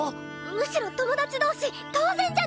むしろ友達同士当然じゃないでしょうか！